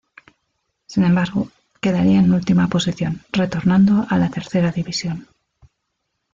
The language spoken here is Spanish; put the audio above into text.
Sin embargo, quedaría en última posición, retornando a la Tercera División.